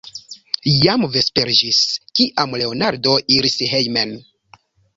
Jam vesperiĝis, kiam Leonardo iris hejmen.